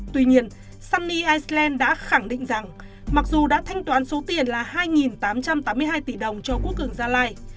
tuy nhiên sunny iceland đã khẳng định rằng mặc dù đã thanh toán số tiền là hai tám trăm tám mươi hai tỷ đồng cho quốc cường gia lai